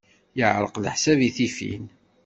Yeɛreq leḥsab i tifin.